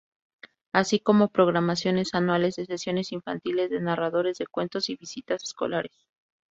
Así como programaciones anuales de sesiones infantiles de narradores de cuentos y visitas escolares.